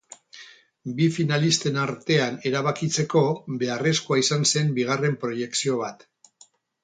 Bi finalisten artean erabakitzeko, beharrezkoa izan zen bigarren proiekzio bat.